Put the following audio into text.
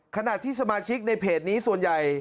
ขณะที่สมาชิกในเพจนี้ส่วนใหญ่